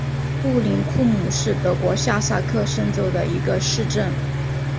布林库姆是德国下萨克森州的一个市镇。